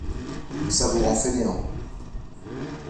Ça vous rend fainéant.